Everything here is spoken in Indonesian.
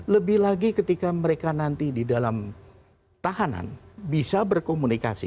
lebih lagi ketika mereka nanti di dalam tahanan bisa berkomunikasi